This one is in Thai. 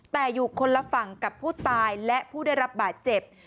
แต่อยู่คนละฝั่งกับผู้ตายและผู้ได้รับบาดเจ็บ